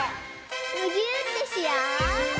むぎゅーってしよう！